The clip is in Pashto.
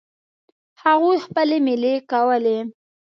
هغوی خپلې میلې کولې.